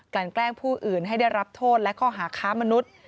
แกล้งผู้อื่นให้ได้รับโทษและข้อหาค้ามนุษย์